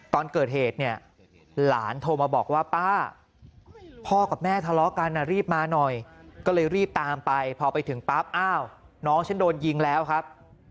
ตอนเกิดเหตุเนี่ยหลานโทรมาบอกว่าป้าพ่อกับแม่ทะเลาะกันรีบมาหน่อยก็เลยรีบตามไปพอไปถึงปั๊บอ้าวน้องฉันโดนยิงแล้วครับ